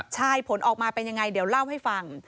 ใช่ผลออกมาเป็นยังไงเดี๋ยวเล่าให้ฟัง